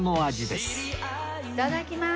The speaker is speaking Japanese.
いただきます。